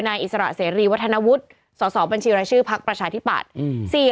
อิสระเสรีวัฒนวุฒิสสบัญชีรายชื่อพักประชาธิปัตย์